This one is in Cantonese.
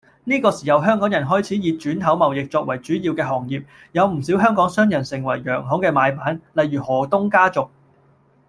呢個時候香港人開始以轉口貿易作為主要嘅行業，有唔少香港商人成為洋行嘅買辦，例如何東家族